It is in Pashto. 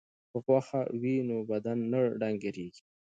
که غوښه وي نو بدن نه ډنګریږي.